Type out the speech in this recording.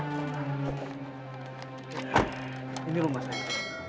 inilah rumah saya